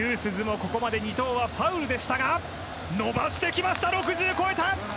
ここまで２投はファウルでしたが伸ばしてきました６０を超えた！